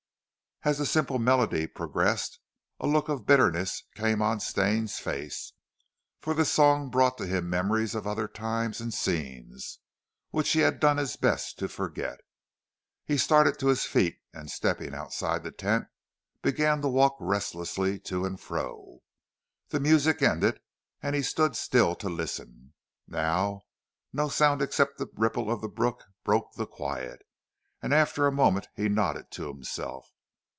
As the simple melody progressed, a look of bitterness came on Stane's face, for the song brought to him memories of other times and scenes which he had done his best to forget. He started to his feet and stepping outside the tent began to walk restlessly to and fro. The music ended and he stood still to listen. Now no sound except the ripple of the river broke the quiet, and after a moment he nodded to himself.